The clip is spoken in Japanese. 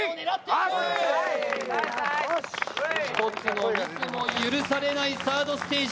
１つのミスも許されないサードステージ。